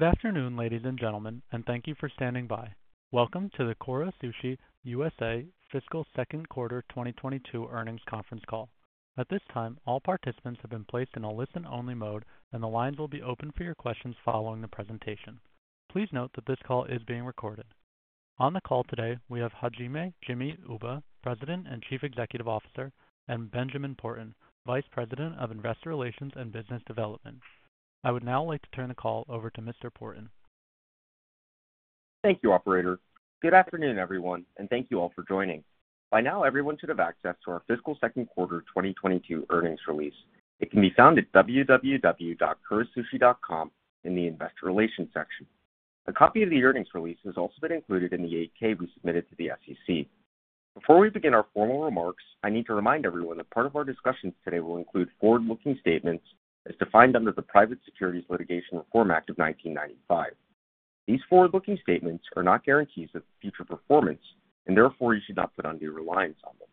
Good afternoon, ladies and gentlemen, and thank you for standing by. Welcome to the Kura Sushi USA Fiscal Second Quarter 2022 Earnings Conference Call. At this time, all participants have been placed in a listen-only mode, and the lines will be open for your questions following the presentation. Please note that this call is being recorded. On the call today, we have Hajime "Jimmy" Uba, President and Chief Executive Officer, and Benjamin Porten, Vice President of Investor Relations and Business Development. I would now like to turn the call over to Mr. Porten. Thank you, operator. Good afternoon, everyone, and thank you all for joining. By now, everyone should have access to our fiscal second quarter 2022 earnings release. It can be found at www.kurasushi.com in the investor relations section. A copy of the earnings release has also been included in the 8-K we submitted to the SEC. Before we begin our formal remarks, I need to remind everyone that part of our discussions today will include forward-looking statements as defined under the Private Securities Litigation Reform Act of 1995. These forward-looking statements are not guarantees of future performance, and therefore you should not put undue reliance on them.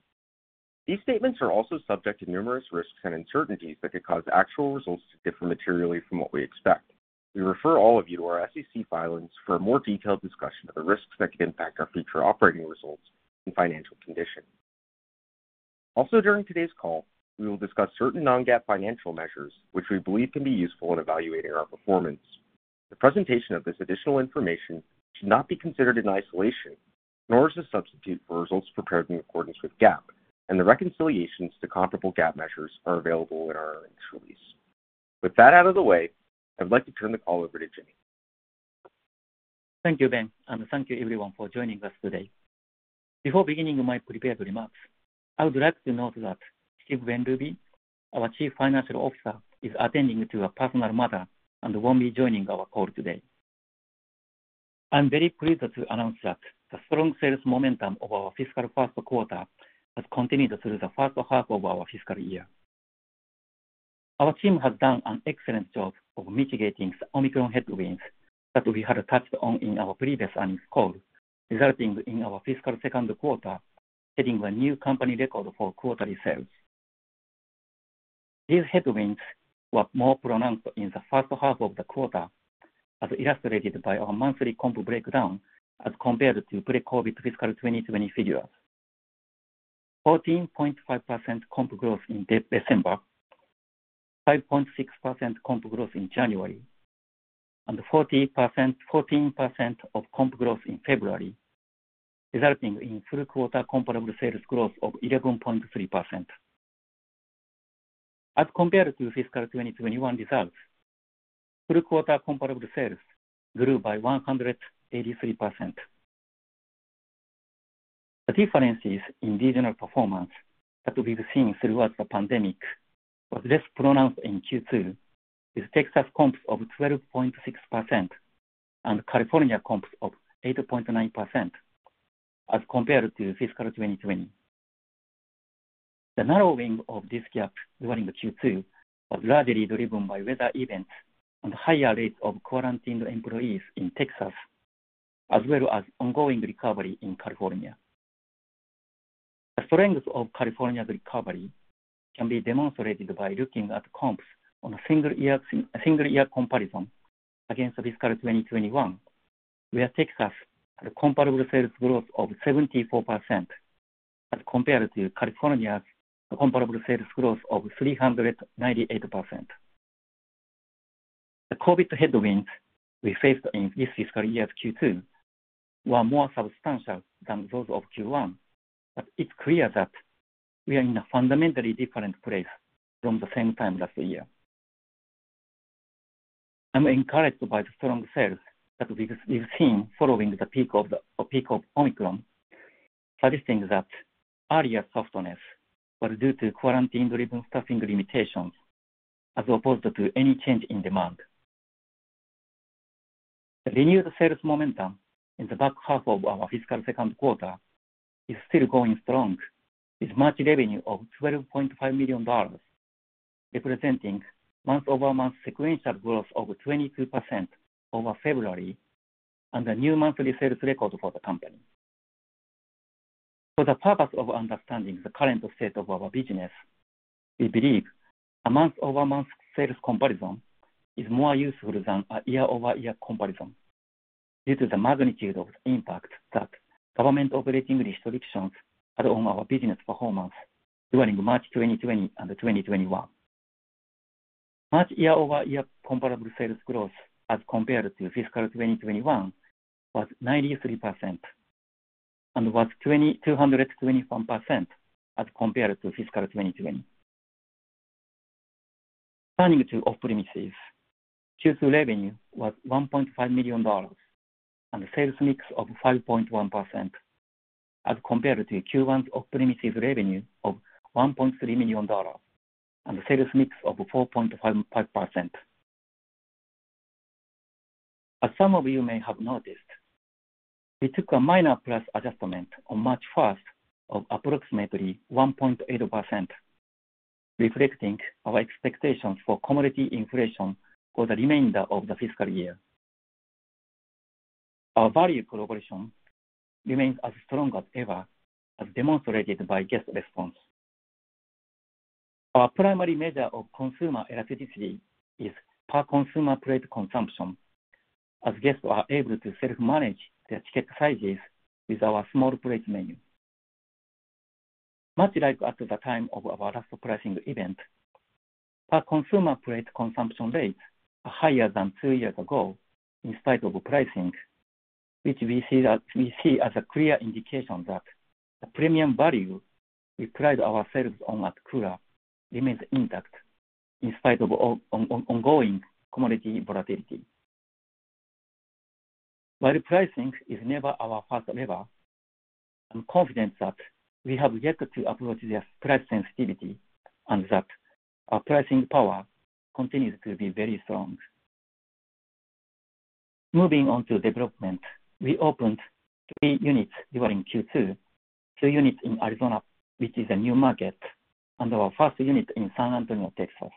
These statements are also subject to numerous risks and uncertainties that could cause actual results to differ materially from what we expect. We refer all of you to our SEC filings for a more detailed discussion of the risks that could impact our future operating results and financial condition. Also, during today's call, we will discuss certain Non-GAAP financial measures which we believe can be useful in evaluating our performance. The presentation of this additional information should not be considered in isolation, nor as a substitute for results prepared in accordance with GAAP, and the reconciliations to comparable GAAP measures are available in our earnings release. With that out of the way, I'd like to turn the call over to Jimmy. Thank you, Ben, and thank you everyone for joining us today. Before beginning my prepared remarks, I would like to note that Steven Benrubi, our Chief Financial Officer, is attending to a personal matter and won't be joining our call today. I'm very pleased to announce that the strong sales momentum of our fiscal first quarter has continued through the first half of our fiscal year. Our team has done an excellent job of mitigating the Omicron headwinds that we had touched on in our previous earnings call, resulting in our fiscal second quarter setting a new company record for quarterly sales. These headwinds were more pronounced in the first half of the quarter as illustrated by our monthly comp breakdown as compared to pre-COVID fiscal 2020 figures. 14.5% comp growth in December, 5.6% comp growth in January, and 14% comp growth in February, resulting in full quarter comparable sales growth of 11.3%. As compared to fiscal 2021 results, full quarter comparable sales grew by 183%. The differences in regional performance that we've seen throughout the pandemic was less pronounced in Q2, with Texas comps of 12.6% and California comps of 8.9% as compared to fiscal 2020. The narrowing of this gap during Q2 was largely driven by weather events and higher rates of quarantined employees in Texas, as well as ongoing recovery in California. The strength of California's recovery can be demonstrated by looking at comps on a single year comparison against fiscal 2021, where Texas had a comparable sales growth of 74% as compared to California's comparable sales growth of 398%. The COVID headwinds we faced in this fiscal year's Q2 were more substantial than those of Q1, but it's clear that we are in a fundamentally different place from the same time last year. I'm encouraged by the strong sales that we've seen following the peak of Omicron, suggesting that earlier softness was due to quarantine-driven staffing limitations as opposed to any change in demand. The renewed sales momentum in the back half of our fiscal second quarter is still going strong, with March revenue of $12.5 million, representing month-over-month sequential growth of 22% over February and a new monthly sales record for the company. For the purpose of understanding the current state of our business, we believe a month-over-month sales comparison is more useful than a year-over-year comparison due to the magnitude of the impact that government-operating restrictions had on our business performance during March 2020 and 2021. March year-over-year comparable sales growth as compared to fiscal 2021 was 93% and was 2,221% as compared to fiscal 2020. Turning to off-premises, Q2 revenue was $1.5 million and a sales mix of 5.1% as compared to Q1's off-premises revenue of $1.3 million and a sales mix of 4.55%. Some of you may have noticed, we took a minor price adjustment on March 1 of approximately 1.8%, reflecting our expectations for commodity inflation for the remainder of the fiscal year. Our value proposition remains as strong as ever, as demonstrated by guest response. Our primary measure of consumer elasticity is per consumer plate consumption, as guests are able to self-manage their ticket sizes with our small plate menu. Much like at the time of our last pricing event, our consumer plate consumption rates are higher than two years ago in spite of pricing, which we see as a clear indication that the premium value we pride ourselves on at Kura remains intact in spite of ongoing commodity volatility. While pricing is never our first lever, I'm confident that we have yet to approach their price sensitivity and that our pricing power continues to be very strong. Moving on to development, we opened three units during Q2. Two units in Arizona, which is a new market, and our first unit in San Antonio, Texas.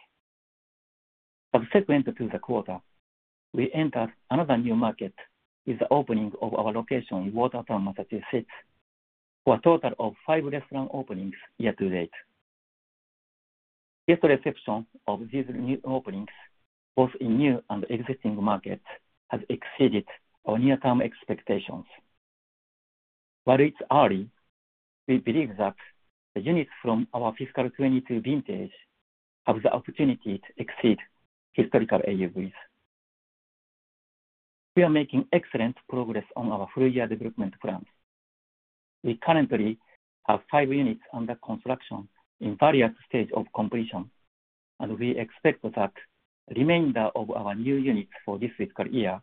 Subsequent to the quarter, we entered another new market with the opening of our location in Watertown, Massachusetts, for a total of five restaurant openings year to date. Guest reception of these new openings, both in new and existing markets, has exceeded our near-term expectations. While it's early, we believe that the units from our fiscal 2022 vintage have the opportunity to exceed historical AUVs. We are making excellent progress on our full-year development plans. We currently have five units under construction in various states of completion, and we expect the remainder of our new units for this fiscal year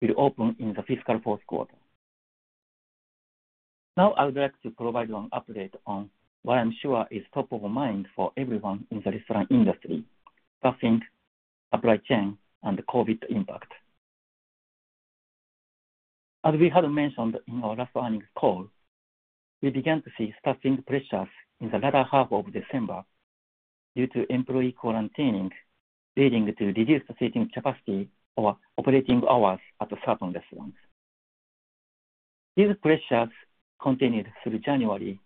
will open in the fiscal fourth quarter. Now I would like to provide an update on what I'm sure is top of mind for everyone in the restaurant industry, staffing, supply chain, and the COVID impact. As we had mentioned in our last earnings call, we began to see staffing pressures in the latter half of December due to employee quarantining, leading to reduced seating capacity or operating hours at certain restaurants. These pressures continued through January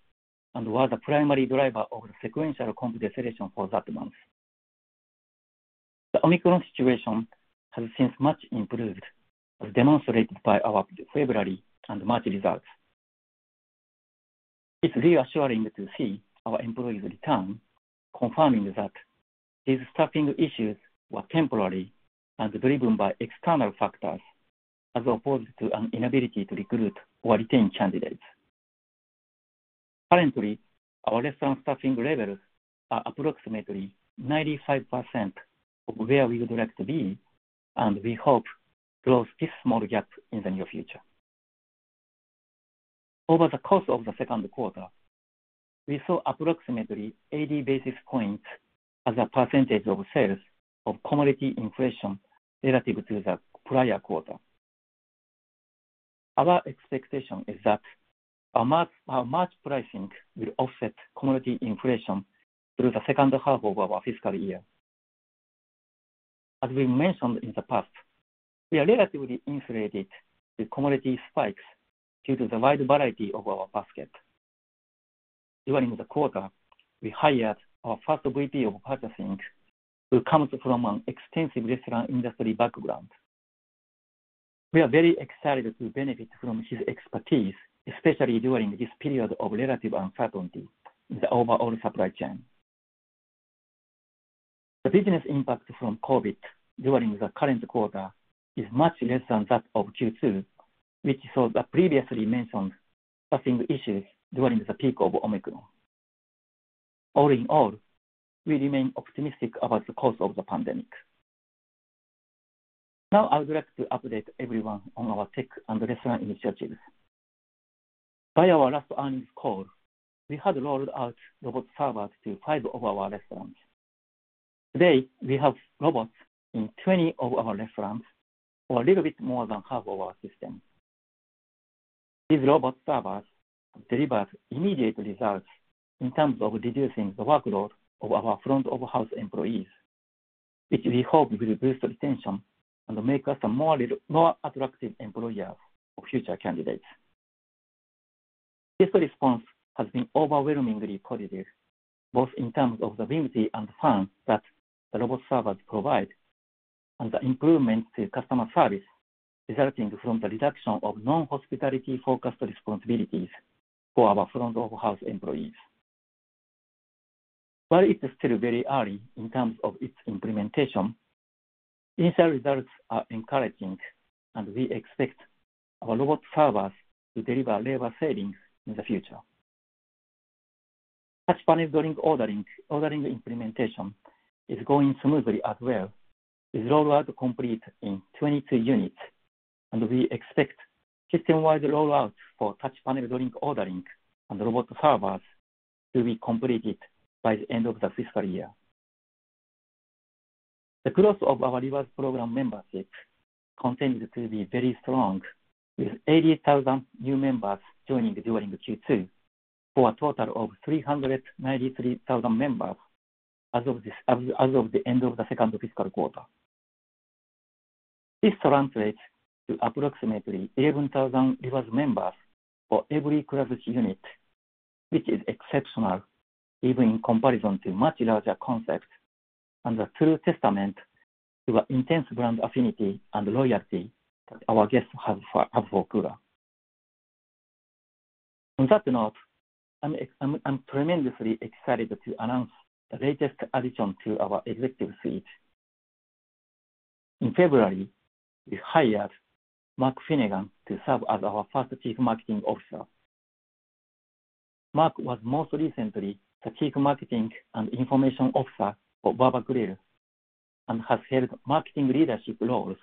and were the primary driver of the sequential comp deceleration for that month. The Omicron situation has since much improved, as demonstrated by our February and March results. It's reassuring to see our employees return, confirming that these staffing issues were temporary and driven by external factors, as opposed to an inability to recruit or retain candidates. Currently, our restaurant staffing levels are approximately 95% of where we would like to be, and we hope to close this small gap in the near future. Over the course of the second quarter, we saw approximately 80 basis points as a percentage of sales of commodity inflation relative to the prior quarter. Our expectation is that our March pricing will offset commodity inflation through the second half of our fiscal year. As we mentioned in the past, we are relatively insulated with commodity spikes due to the wide variety of our basket. During the quarter, we hired our first VP of Purchasing, who comes from an extensive restaurant industry background. We are very excited to benefit from his expertise, especially during this period of relative uncertainty in the overall supply chain. The business impact from COVID during the current quarter is much less than that of Q2, which saw the previously mentioned staffing issues during the peak of Omicron. All in all, we remain optimistic about the course of the pandemic. Now I would like to update everyone on our tech and restaurant initiatives. By our last earnings call, we had rolled out robot servers to 5 of our restaurants. Today, we have robots in 20 of our restaurants, or a little bit more than half of our system. These robot servers have delivered immediate results in terms of reducing the workload of our front of house employees, which we hope will boost retention and make us a more attractive employer for future candidates. Guest response has been overwhelmingly positive, both in terms of the whimsy and fun that the robot servers provide and the improvement to customer service resulting from the reduction of non-hospitality focused responsibilities for our front of house employees. While it is still very early in terms of its implementation, initial results are encouraging, and we expect our robot servers to deliver labor savings in the future. Touch panel drink ordering implementation is going smoothly as well, with rollout complete in 22 units, and we expect system-wide rollout for touch panel drink ordering and robot servers to be completed by the end of the fiscal year. The growth of our rewards program membership continues to be very strong, with 80,000 new members joining during Q2, for a total of 393,000 members as of the end of the second fiscal quarter. This translates to approximately 11,000 rewards members for every Kura Sushi unit, which is exceptional even in comparison to much larger concepts and a true testament to the intense brand affinity and loyalty that our guests have for Kura. On that note, I'm tremendously excited to announce the latest addition to our executive suite. In February, we hired Mark Finnegan to serve as our first Chief Marketing Officer. Mark was most recently the Chief Marketing and Information Officer for Barber Grill and has held marketing leadership roles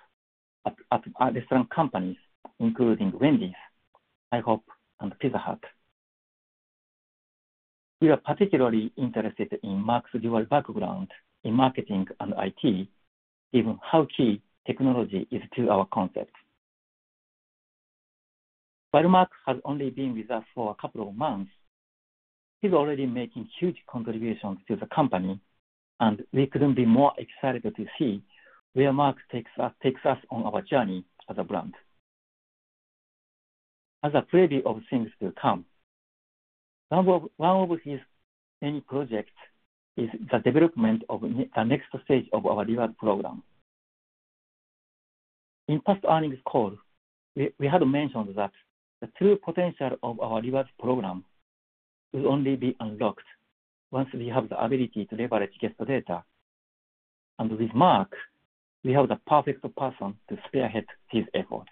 at restaurant companies including Wendy's, IHOP, and Pizza Hut. We are particularly interested in Mark's dual background in marketing and IT, given how key technology is to our concept. While Mark has only been with us for a couple of months, he's already making huge contributions to the company, and we couldn't be more excited to see where Mark takes us on our journey as a brand. As a preview of things to come, one of his many projects is the development of the next stage of our rewards program. In past earnings call, we had mentioned that the true potential of our rewards program will only be unlocked once we have the ability to leverage guest data. With Mark, we have the perfect person to spearhead these efforts.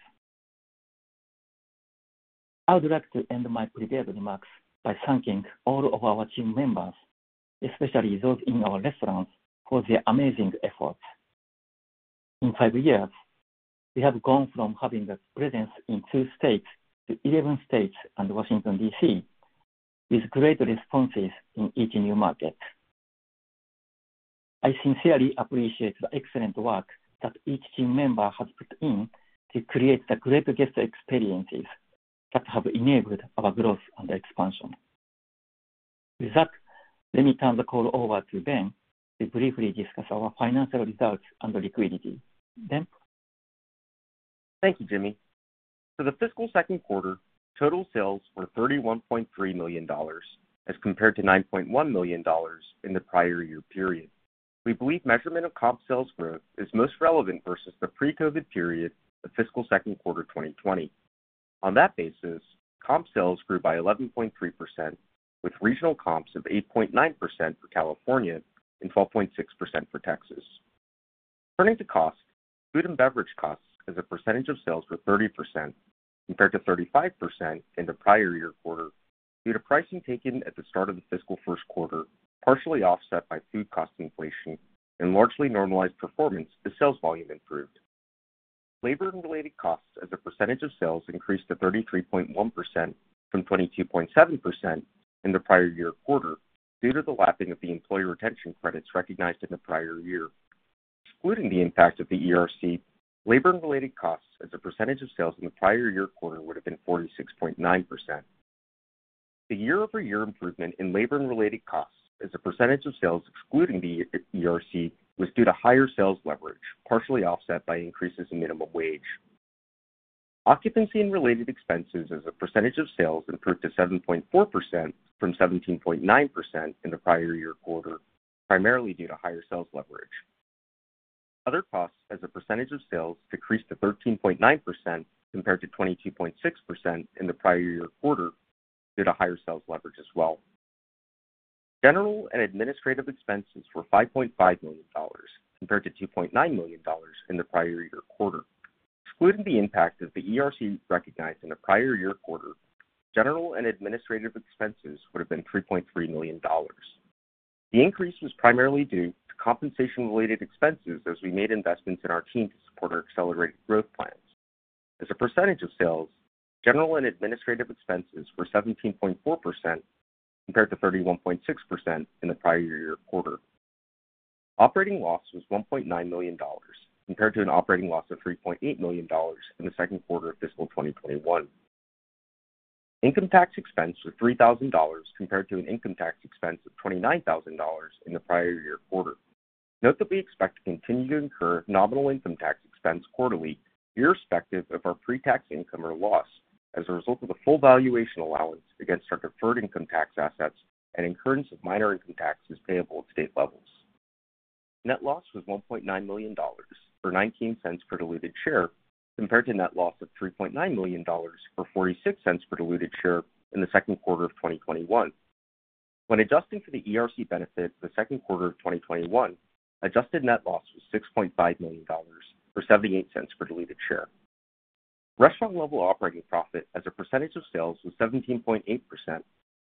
I would like to end my prepared remarks by thanking all of our team members, especially those in our restaurants, for their amazing efforts. In five years, we have gone from having a presence in two states to 11 states and Washington, D.C. with great responses in each new market. I sincerely appreciate the excellent work that each team member has put in to create the great guest experiences that have enabled our growth and expansion. With that, let me turn the call over to Ben to briefly discuss our financial results and liquidity. Ben? Thank you, Jimmy. For the fiscal second quarter, total sales were $31.3 million as compared to $9.1 million in the prior year period. We believe measurement of comp sales growth is most relevant versus the pre-COVID period of fiscal second quarter 2020. On that basis, comp sales grew by 11.3%, with regional comps of 8.9% for California and 12.6% for Texas. Turning to cost, food and beverage costs as a percentage of sales were 30% compared to 35% in the prior year quarter due to pricing taken at the start of the fiscal first quarter, partially offset by food cost inflation and largely normalized performance as sales volume improved. Labor and related costs as a percentage of sales increased to 33.1% from 22.7% in the prior year quarter due to the lapping of the employee retention credits recognized in the prior year. Excluding the impact of the ERC, labor and related costs as a percentage of sales in the prior year quarter would have been 46.9%. The year-over-year improvement in labor and related costs as a percentage of sales excluding the ERC was due to higher sales leverage, partially offset by increases in minimum wage. Occupancy and related expenses as a percentage of sales improved to 7.4% from 17.9% in the prior year quarter, primarily due to higher sales leverage. Other costs as a percentage of sales decreased to 13.9% compared to 22.6% in the prior year quarter due to higher sales leverage as well. General and administrative expenses were $5.5 million compared to $2.9 million in the prior year quarter. Excluding the impact of the ERC recognized in the prior year quarter, general and administrative expenses would have been $3.3 million. The increase was primarily due to compensation-related expenses as we made investments in our team to support our accelerated growth plans. As a percentage of sales, general and administrative expenses were 17.4% compared to 31.6% in the prior year quarter. Operating loss was $1.9 million compared to an operating loss of $3.8 million in the second quarter of fiscal 2021. Income tax expense was $3,000 compared to an income tax expense of $29,000 in the prior year quarter. Note that we expect to continue to incur nominal income tax expense quarterly irrespective of our pre-tax income or loss as a result of the full valuation allowance against our deferred income tax assets and incurrence of minor income tax payable at state levels. Net loss was $1.9 million or $0.19 per diluted share compared to net loss of $3.9 million or $0.46 per diluted share in the second quarter of 2021. When adjusting for the ERC benefit for the second quarter of 2021, adjusted net loss was $6.5 million or $0.78 per diluted share. Restaurant level operating profit as a percentage of sales was 17.8%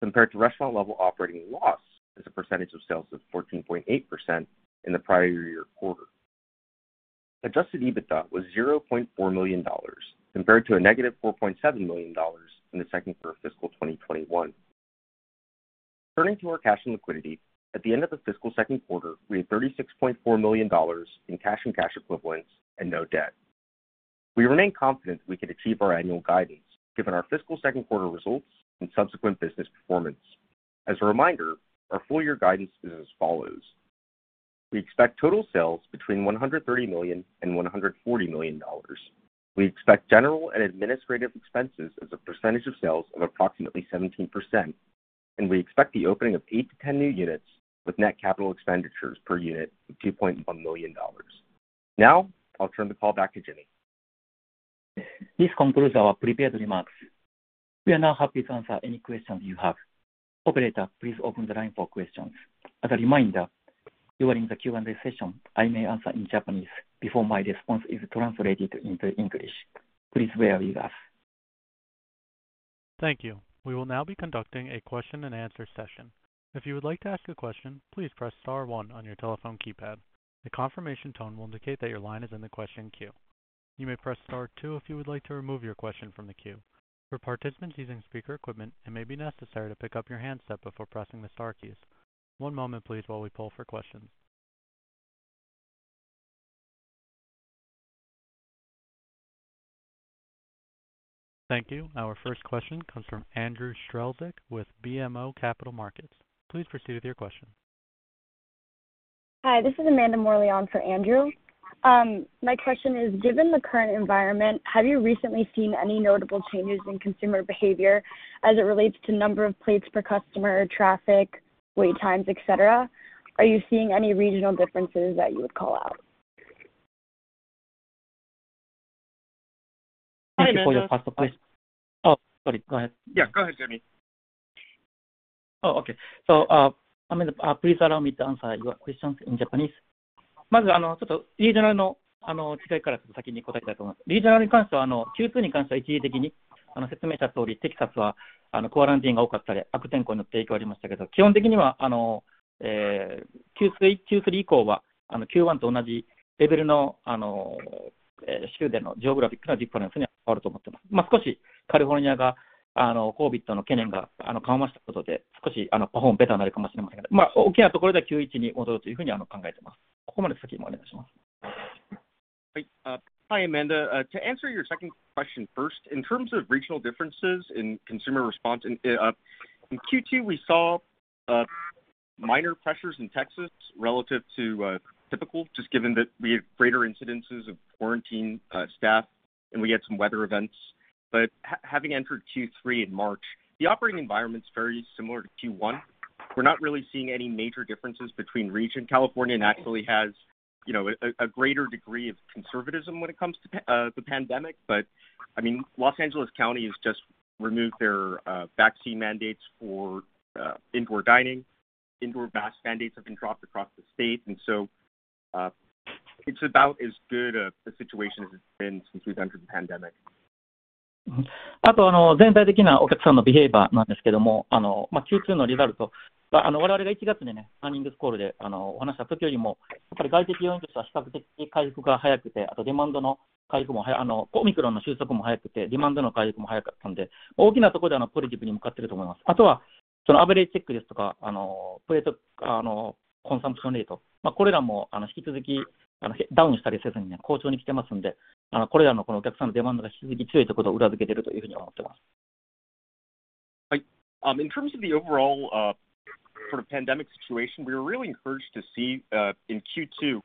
compared to restaurant level operating loss as a percentage of sales of 14.8% in the prior year quarter. Adjusted EBITDA was $0.4 million compared to -$4.7 million in the second quarter of fiscal 2021. Turning to our cash and liquidity, at the end of the fiscal second quarter, we had $36.4 million in cash and cash equivalents and no debt. We remain confident we can achieve our annual guidance given our fiscal second quarter results and subsequent business performance. As a reminder, our full year guidance is as follows. We expect total sales between $130 million and $140 million. We expect general and administrative expenses as a percentage of sales of approximately 17%, and we expect the opening of 8-10 new units with net capital expenditures per unit of $2.1 million. Now, I'll turn the call back to Jimmy. This concludes our prepared remarks. We are now happy to answer any questions you have. Operator, please open the line for questions. As a reminder, during the Q&A session, I may answer in Japanese before my response is translated into English. Please bear with us. Thank you. We will now be conducting a question and answer session. If you would like to ask a question, please press star one on your telephone keypad. The confirmation tone will indicate that your line is in the question queue. You may press star two if you would like to remove your question from the queue. For participants using speaker equipment, it may be necessary to pick up your handset before pressing the star keys. One moment please while we pull for questions. Thank you. Our first question comes from Andrew Strelzik with BMO Capital Markets. Please proceed with your question. Hi, this is Amanda Morley on for Andrew. My question is, given the current environment, have you recently seen any notable changes in consumer behavior as it relates to number of plates per customer, traffic, wait times, et cetera? Are you seeing any regional differences that you would call out? Thank you for your first question. Oh, sorry. Go ahead. Yeah, go ahead, Jimmy. Oh, okay. Amanda, please allow me to answer your questions in Japanese. Hi, Amanda. To answer your second question first, in terms of regional differences in consumer response, in Q2, we saw minor pressures in Texas relative to typical, just given that we had greater incidences of quarantine staff, and we had some weather events. Having entered Q3 in March, the operating environment's very similar to Q1. We're not really seeing any major differences between region. California naturally has a greater degree of conservatism when it comes to the pandemic. I mean, Los Angeles County has just removed their vaccine mandates for indoor dining. Indoor mask mandates have been dropped across the state. It's about as good a situation as it's been since we've entered the pandemic. In terms of the overall sort of pandemic situation, we were really encouraged to see in Q2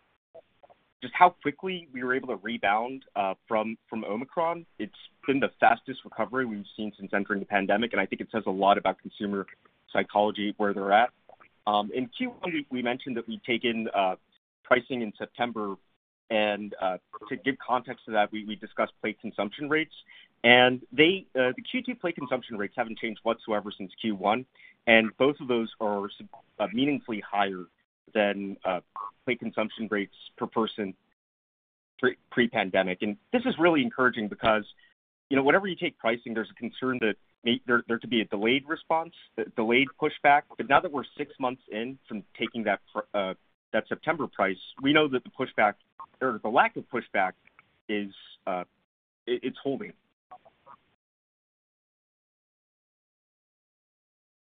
just how quickly we were able to rebound from Omicron. It's been the fastest recovery we've seen since entering the pandemic, and I think it says a lot about consumer psychology, where they're at. In Q1, we mentioned that we'd taken pricing in September and to give context to that, we discussed plate consumption rates. The Q2 plate consumption rates haven't changed whatsoever since Q1, and both of those are meaningfully higher than pre-pandemic plate consumption rates per person. This is really encouraging because, you know, whenever you take pricing, there's a concern that there may be a delayed response, a delayed pushback. Now that we're six months in from taking that September price, we know that the pushback or the lack of pushback is, it's holding.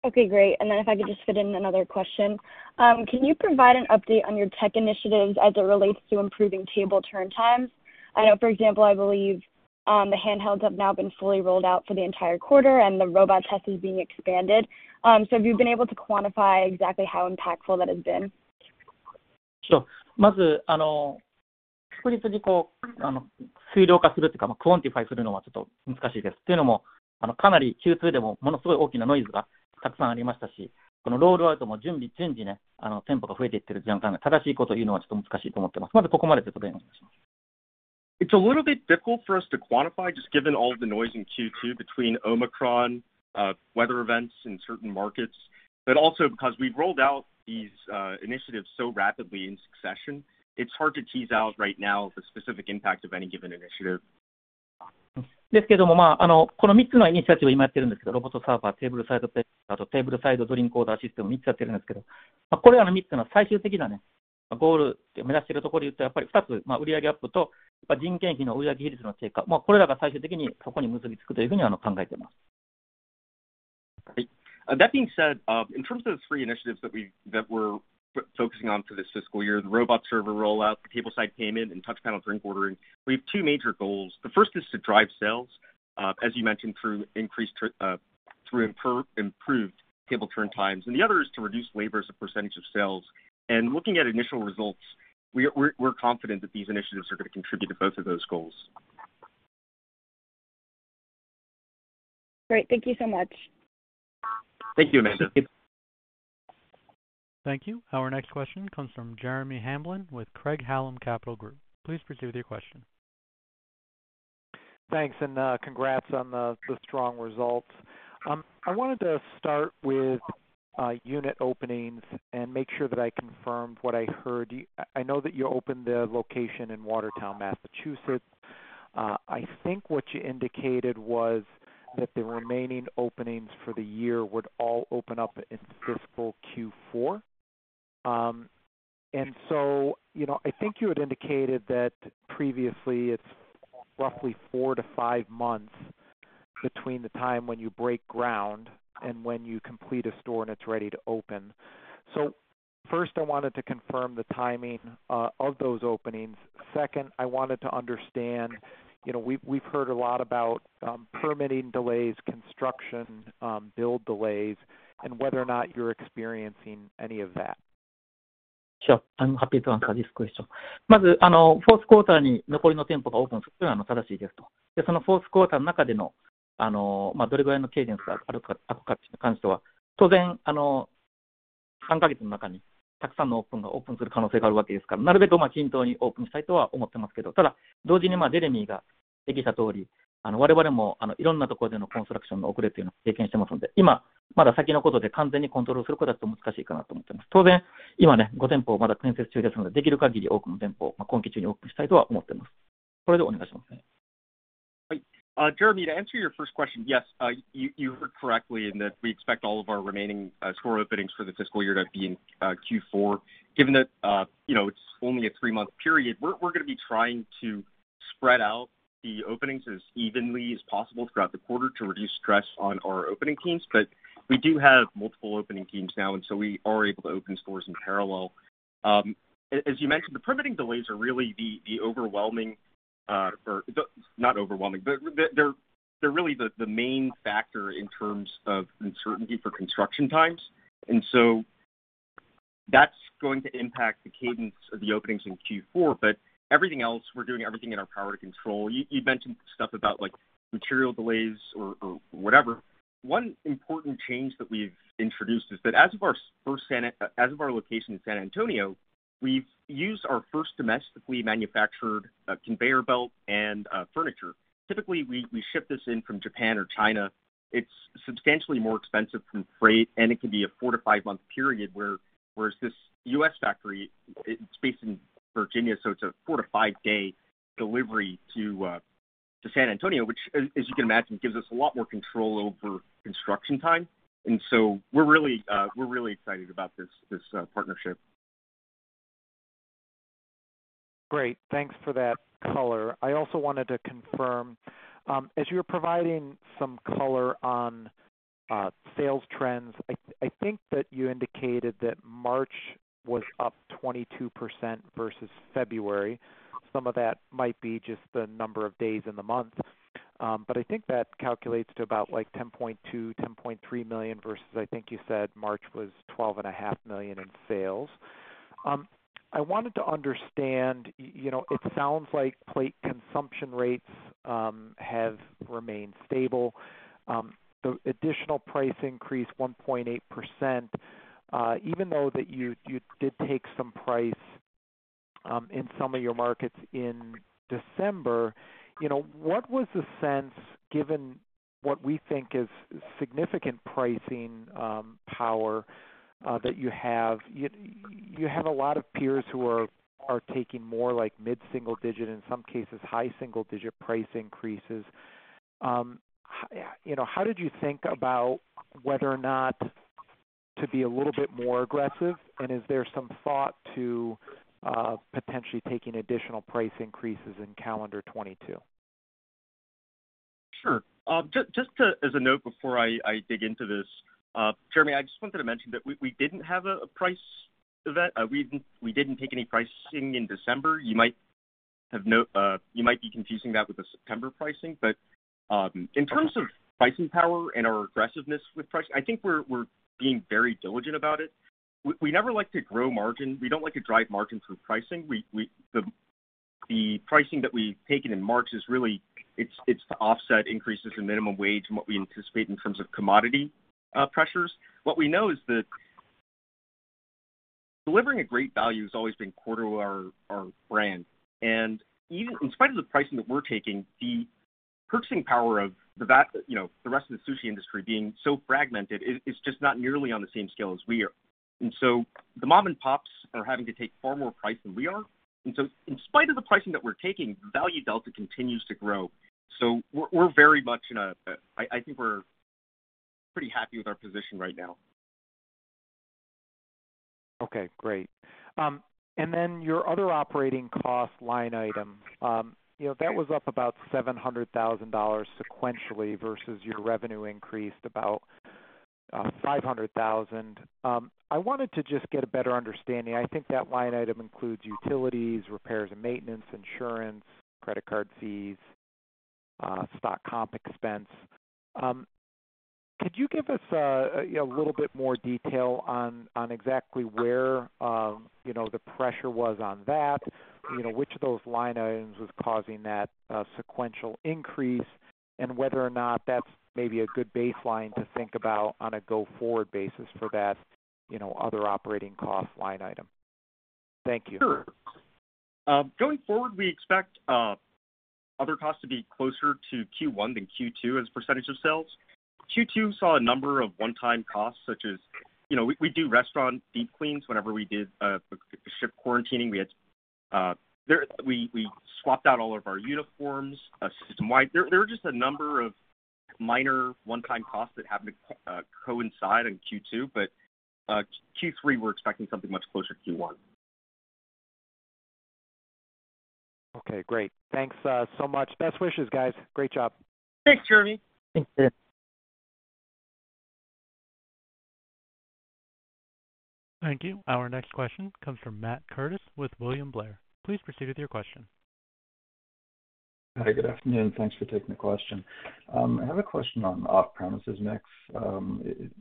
Okay, great. If I could just fit in another question. Can you provide an update on your tech initiatives as it relates to improving table turn times? I know, for example, I believe, the handhelds have now been fully rolled out for the entire quarter and the robot test is being expanded. Have you been able to quantify exactly how impactful that has been? It's a little bit difficult for us to quantify just given all of the noise in Q2 between Omicron, weather events in certain markets. Also because we've rolled out these initiatives so rapidly in succession, it's hard to tease out right now the specific impact of any given initiative. Right. That being said, in terms of the three initiatives that we're focusing on for this fiscal year, the robot server rollout, the tableside payment, and touch panel drink ordering, we have two major goals. The first is to drive sales, as you mentioned, through improved table turn times. The other is to reduce labor as a percentage of sales. Looking at initial results, we're confident that these initiatives are gonna contribute to both of those goals. Great. Thank you so much. Thank you, Amanda. Thank you. Our next question comes from Jeremy Hamblin with Craig-Hallum Capital Group. Please proceed with your question. Thanks, and congrats on the strong results. I wanted to start with unit openings and make sure that I confirmed what I heard. I know that you opened a location in Watertown, Massachusetts. I think what you indicated was that the remaining openings for the year would all open up in fiscal Q4. You know, I think you had indicated that previously it's roughly 4-5 months between the time when you break ground and when you complete a store and it's ready to open. First, I wanted to confirm the timing of those openings. Second, I wanted to understand, you know, we've heard a lot about permitting delays, construction, build delays, and whether or not you're experiencing any of that. Sure. I'm happy to answer this question. Jeremy, to answer your first question, yes, you heard correctly in that we expect all of our remaining store openings for the fiscal year to be in Q4. Given that, you know, it's only a three-month period, we're gonna be trying to spread out the openings as evenly as possible throughout the quarter to reduce stress on our opening teams. But we do have multiple opening teams now, and so we are able to open stores in parallel. As you mentioned, the permitting delays are really the main factor in terms of uncertainty for construction times. That's going to impact the cadence of the openings in Q4. But everything else, we're doing everything in our power to control. You mentioned stuff about like material delays or whatever. One important change that we've introduced is that as of our first location in San Antonio, we've used our first domestically manufactured conveyor belt and furniture. Typically, we ship this in from Japan or China. It's substantially more expensive from freight, and it can be a 4-5-month period, whereas this U.S. factory, it's based in Virginia, so it's a 4-5-day delivery to San Antonio, which as you can imagine, gives us a lot more control over construction time. We're really excited about this partnership. Great. Thanks for that color. I also wanted to confirm, as you were providing some color on sales trends, I think that you indicated that March was up 22% versus February. Some of that might be just the number of days in the month. But I think that calculates to about, like, $10.2-$10.3 million versus, I think you said March was $12.5 million in sales. I wanted to understand, you know, it sounds like plate consumption rates have remained stable. The additional price increase, 1.8%, even though that you did take some price in some of your markets in December, you know, what was the sense, given what we think is significant pricing power that you have? You have a lot of peers who are taking more like mid-single digit, in some cases, high single digit price increases. You know, how did you think about whether or not to be a little bit more aggressive? Is there some thought to potentially taking additional price increases in calendar 2022? Sure. Just to add a note before I dig into this, Jeremy, I just wanted to mention that we didn't have a price event. We didn't take any pricing in December. You might be confusing that with the September pricing. In terms of pricing power and our aggressiveness with pricing, I think we're being very diligent about it. We never like to grow margin. We don't like to drive margin through pricing. The pricing that we've taken in March is really, it's to offset increases in minimum wage and what we anticipate in terms of commodity pressures. What we know is that delivering a great value has always been core to our brand. Even in spite of the pricing that we're taking, the purchasing power of the vast, you know, the rest of the sushi industry being so fragmented is just not nearly on the same scale as we are. The mom and pops are having to take far more price than we are. In spite of the pricing that we're taking, value delta continues to grow. We're very much in a, I think we're pretty happy with our position right now. Okay, great. And then your other operating cost line item, you know, that was up about $700,000 sequentially versus your revenue increased about $500,000. I wanted to just get a better understanding. I think that line item includes utilities, repairs and maintenance, insurance, credit card fees, stock comp expense. Could you give us, you know, a little bit more detail on exactly where, you know, the pressure was on that? You know, which of those line items was causing that sequential increase, and whether or not that's maybe a good baseline to think about on a go-forward basis for that, you know, other operating cost line item. Thank you. Sure. Going forward, we expect other costs to be closer to Q1 than Q2 as a percentage of sales. Q2 saw a number of one-time costs such as, you know, we do restaurant deep cleans. Whenever we did shift quarantining, we swapped out all of our uniforms system wide. There were just a number of minor one-time costs that happened to coincide in Q2, but Q3, we're expecting something much closer to Q1. Okay, great. Thanks, so much. Best wishes, guys. Great job. Thanks, Jeremy. Thanks, Jeremy. Thank you. Our next question comes from Matt Curtis with William Blair. Please proceed with your question. Hi, good afternoon. Thanks for taking the question. I have a question on off-premises mix.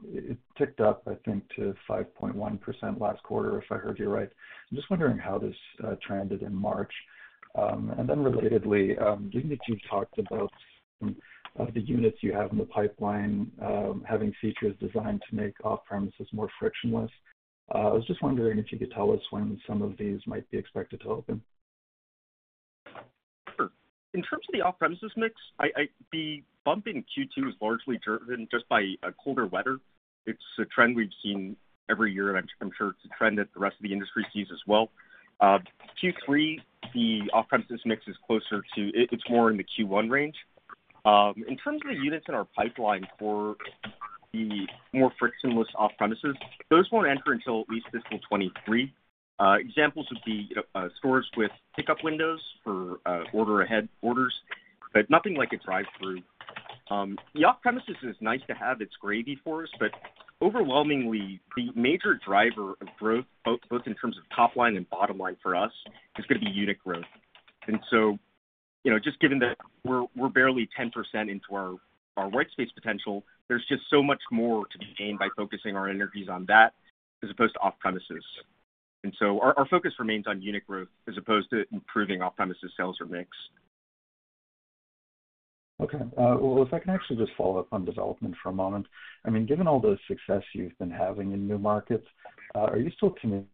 It ticked up, I think, to 5.1% last quarter, if I heard you right. I'm just wondering how this trended in March. Relatedly, given that you've talked about some of the units you have in the pipeline, having features designed to make off-premises more frictionless, I was just wondering if you could tell us when some of these might be expected to open. Sure. In terms of the off-premises mix, the bump in Q2 is largely driven just by colder weather. It's a trend we've seen every year, and I'm sure it's a trend that the rest of the industry sees as well. Q3, the off-premises mix is closer to the Q1 range. In terms of the units in our pipeline for the more frictionless off-premises, those won't enter until at least fiscal 2023. Examples would be stores with pickup windows for order ahead orders, but nothing like a drive-thru. The off-premises is nice to have, it's gravy for us. Overwhelmingly, the major driver of growth, both in terms of top line and bottom line for us, is gonna be unit growth. You know, just given that we're barely 10% into our white space potential, there's just so much more to be gained by focusing our energies on that as opposed to off-premises. Our focus remains on unit growth as opposed to improving off-premises sales or mix. Okay. Well, if I can actually just follow up on development for a moment. I mean, given all the success you've been having in new markets, are you still committed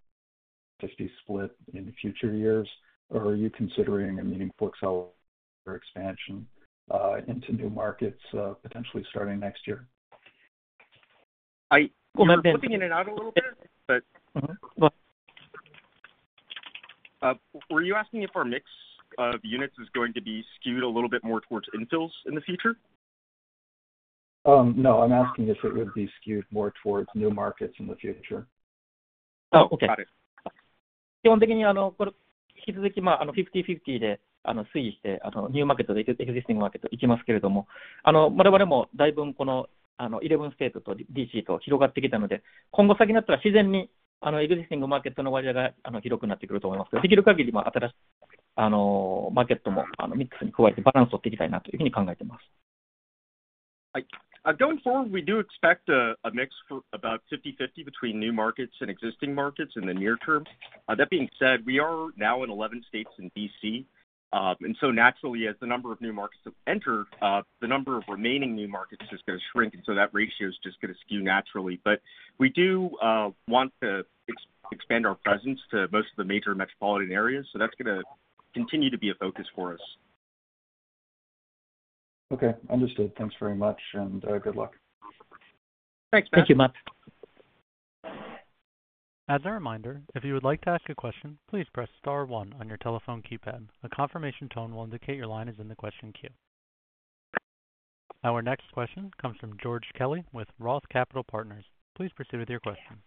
to a 50 split in the future years, or are you considering a meaningful acceleration or expansion into new markets, potentially starting next year? Well, Matt. You're flipping in and out a little bit. Were you asking if our mix of units is going to be skewed a little bit more towards infills in the future? No. I'm asking if it would be skewed more towards new markets in the future. Oh, got it. Going forward, we do expect a mix for about 50/50 between new markets and existing markets in the near term. That being said, we are now in 11 states in D.C., and so naturally, as the number of new markets enter, the number of remaining new markets is just gonna shrink, and so that ratio is just gonna skew naturally. We do want to expand our presence to most of the major metropolitan areas, so that's gonna continue to be a focus for us. Okay. Understood. Thanks very much, and, good luck. Thanks, Matt. Thank you, Matt. As a reminder, if you would like to ask a question, please press star one on your telephone keypad. A confirmation tone will indicate your line is in the question queue. Our next question comes from George Kelly with Roth Capital Partners. Please proceed with your question.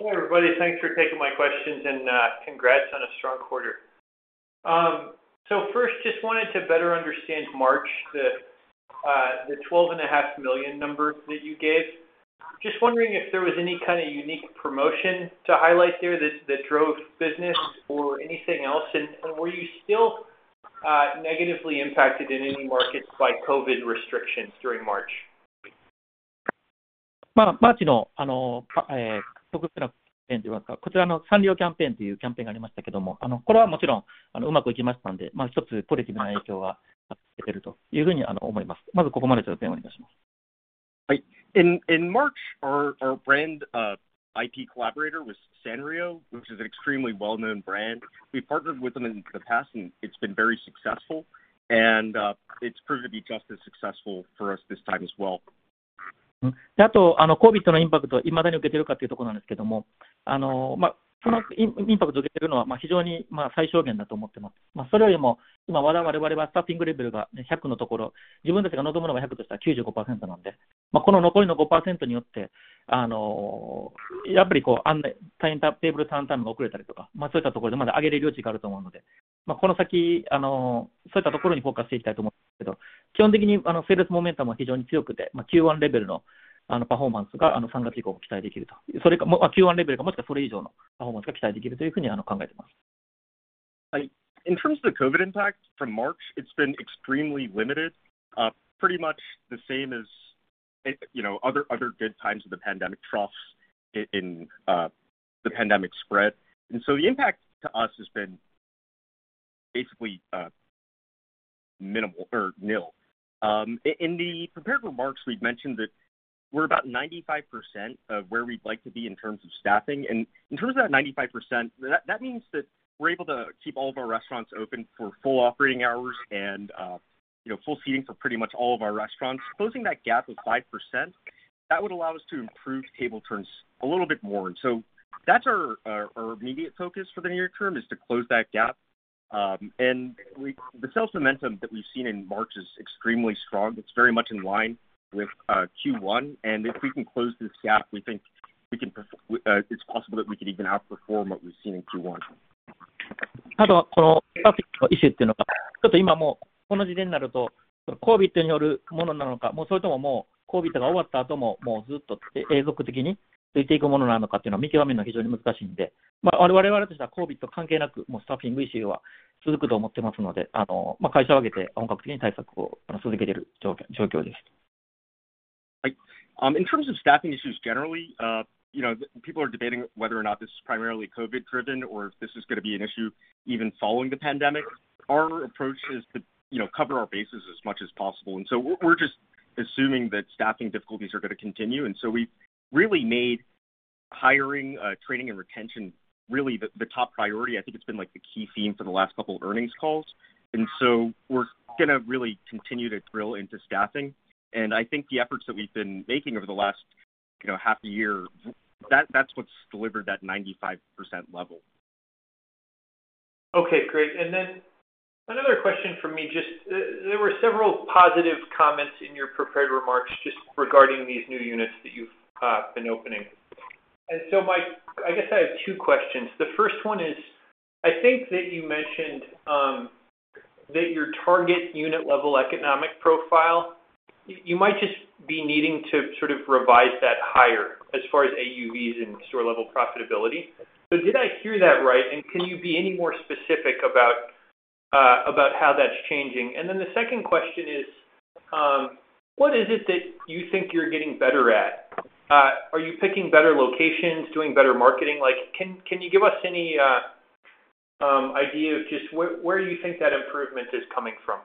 Hey, everybody. Thanks for taking my questions. Congrats on a strong quarter. First, just wanted to better understand March, the $12.5 million number that you gave. Just wondering if there was any kind of unique promotion to highlight there that drove business or anything else. Were you still negatively impacted in any markets by COVID restrictions during March? Right. In March, our brand IP collaborator was Sanrio, which is an extremely well-known brand. We've partnered with them in the past, and it's been very successful and it's proven to be just as successful for us this time as well. In terms of the COVID impact from March, it's been extremely limited, pretty much the same as, you know, other good times of the pandemic troughs in the pandemic spread. The impact to us has been basically minimal or nil. In the prepared remarks, we'd mentioned that we're about 95% of where we'd like to be in terms of staffing. In terms of that 95%, that means that we're able to keep all of our restaurants open for full operating hours and, you know, full seating for pretty much all of our restaurants. Closing that gap of 5%, that would allow us to improve table turns a little bit more. That's our immediate focus for the near term, is to close that gap. The sales momentum that we've seen in March is extremely strong. It's very much in line with Q1. If we can close this gap, we think we can, it's possible that we could even outperform what we've seen in Q1. In terms of staffing issues generally, you know, people are debating whether or not this is primarily COVID driven or if this is gonna be an issue even following the pandemic. Our approach is to, you know, cover our bases as much as possible. We're just assuming that staffing difficulties are gonna continue. We've really made hiring, training, and retention really the top priority. I think it's been, like, the key theme for the last couple of earnings calls. We're gonna really continue to drill into staffing. I think the efforts that we've been making over the last, you know, half a year, that's what's delivered that 95% level. Okay, great. Another question from me. Just, there were several positive comments in your prepared remarks just regarding these new units that you've been opening. I guess I have two questions. The first one is, I think that you mentioned that your target unit level economic profile, you might just be needing to sort of revise that higher as far as AUVs and store level profitability. Did I hear that right? Can you be any more specific about how that's changing? The second question is, what is it that you think you're getting better at? Are you picking better locations, doing better marketing? Like, can you give us any idea of just where you think that improvement is coming from?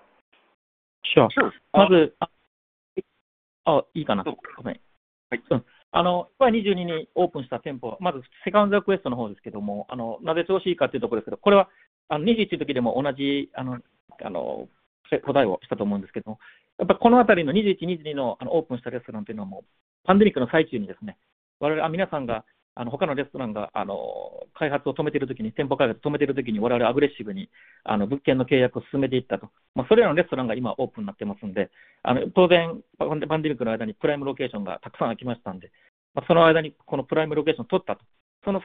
Sure. To answer your question about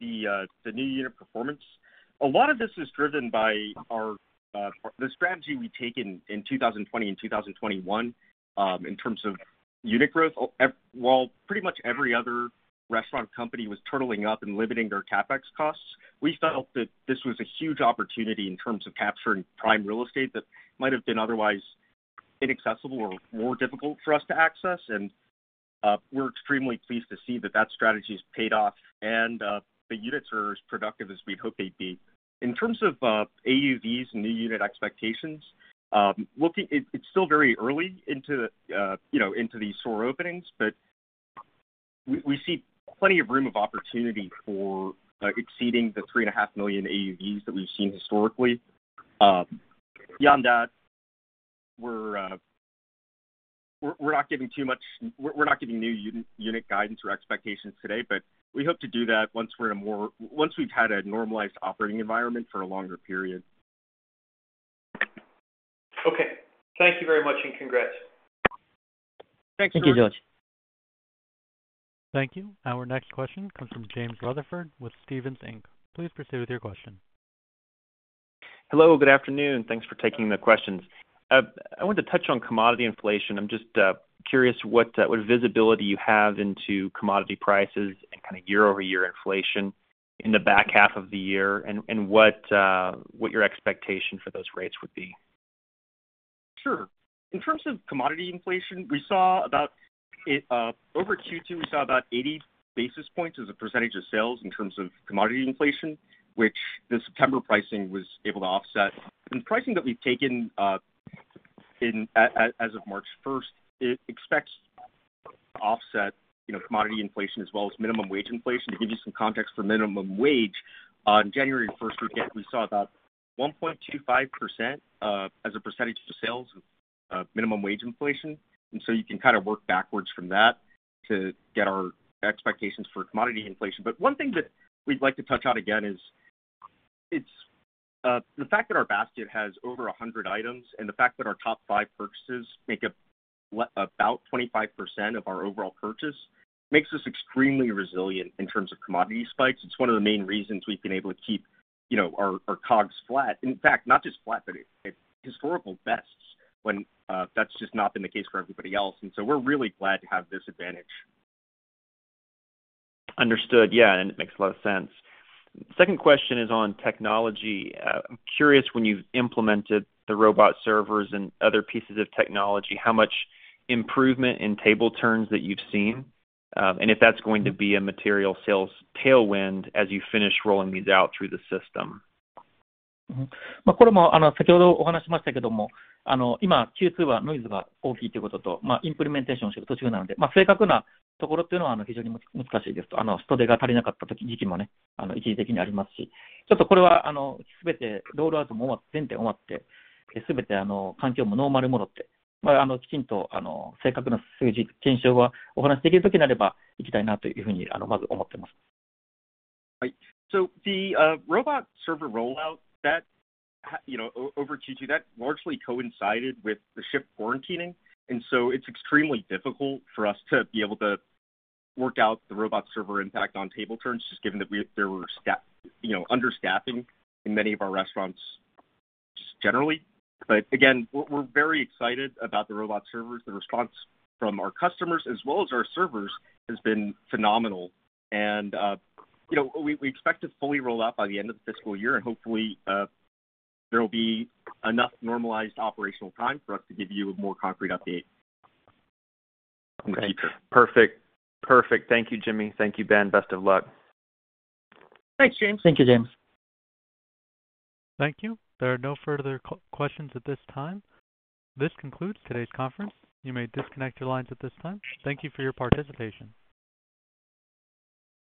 the new unit performance, a lot of this is driven by our the strategy we take in 2020 and 2021 in terms of unit growth. While pretty much every other restaurant company was turtling up and limiting their CapEx costs, we felt that this was a huge opportunity in terms of capturing prime real estate that might have been otherwise inaccessible or more difficult for us to access. We're extremely pleased to see that that strategy has paid off. The units are as productive as we'd hope they'd be. In terms of AUVs and new unit expectations, it's still very early into, you know, into these store openings, but we see plenty of room for opportunity for exceeding the 3.5 million AUVs that we've seen historically. Beyond that, we're not giving new unit guidance or expectations today, but we hope to do that once we've had a normalized operating environment for a longer period. Okay. Thank you very much, and congrats. Thanks very much. Thank you, George. Thank you. Our next question comes from James Rutherford with Stephens Inc. Please proceed with your question. Hello, good afternoon. Thanks for taking the questions. I want to touch on commodity inflation. I'm just curious what visibility you have into commodity prices and kind of year over year inflation in the back half of the year and what your expectation for those rates would be. Sure. In terms of commodity inflation, we saw about over Q2 80 basis points as a percentage of sales in terms of commodity inflation, which the September pricing was able to offset. In pricing that we've taken, as of March first, it expects to offset, you know, commodity inflation as well as minimum wage inflation. To give you some context for minimum wage, on January first weekend, we saw about 1.25% as a percentage of sales minimum wage inflation. You can kind of work backwards from that to get our expectations for commodity inflation. One thing that we'd like to touch on again is it's the fact that our basket has over 100 items and the fact that our top five purchases make up about 25% of our overall purchase makes us extremely resilient in terms of commodity spikes. It's one of the main reasons we've been able to keep, you know, our COGS flat. In fact, not just flat, but at historical bests when that's just not been the case for everybody else. We're really glad to have this advantage. Understood. Yeah, and it makes a lot of sense. Second question is on technology. I'm curious when you've implemented the robot servers and other pieces of technology, how much improvement in table turns that you've seen, and if that's going to be a material sales tailwind as you finish rolling these out through the system. Right. The robot server rollout that, you know, over Q2, that largely coincided with the shift quarantining, and so it's extremely difficult for us to be able to work out the robot server impact on table turns, just given that there was understaffing in many of our restaurants generally. But again, we're very excited about the robot servers. The response from our customers as well as our servers has been phenomenal. You know, we expect to fully roll out by the end of the fiscal year and hopefully there will be enough normalized operational time for us to give you a more concrete update. Okay. Perfect. Thank you, Jimmy. Thank you, Ben. Best of luck. Thanks, James. Thank you, James. Thank you. There are no further questions at this time. This concludes today's conference. You may disconnect your lines at this time. Thank you for your participation.